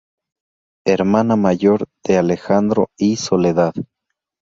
Hermana mayor de Alejandro y Soledad.